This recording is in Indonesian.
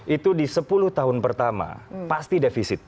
itu di sepuluh tahun pertama pasti defisit